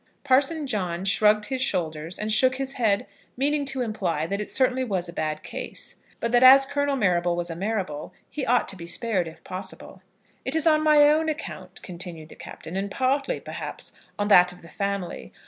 Parson John shrugged his shoulders, and shook his head, meaning to imply that it certainly was a bad case, but that as Colonel Marrable was a Marrable, he ought to be spared, if possible. "It is on my own account," continued the Captain, "and partly, perhaps, on that of the family.